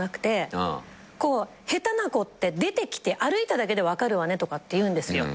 下手な子って出てきて歩いただけで分かるわねとかって言うんですよ。